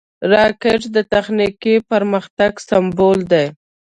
راکټ د تخنیکي پرمختګ سمبول دی